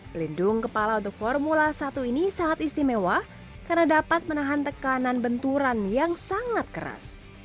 pelindung kepala untuk formula satu ini sangat istimewa karena dapat menahan tekanan benturan yang sangat keras